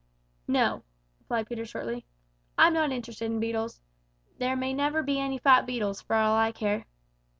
"No," replied Peter shortly. "I'm not interested in beetles. There may never be any fat beetles, for all I care."